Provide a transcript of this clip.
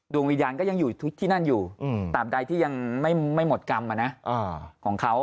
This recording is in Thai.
ดวงวิญญาณก็ยังอยู่ที่นั่นอยู่ตามใดที่ยังไม่หมดกรรมของเขา